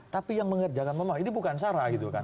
tapi yang mengerjakan memang ini bukan sarah gitu kan